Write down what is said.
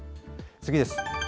次です。